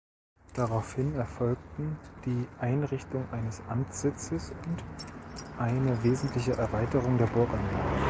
Daraufhin erfolgten die Einrichtung eines Amtssitzes und eine wesentliche Erweiterung der Burganlage.